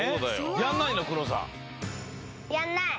やんない！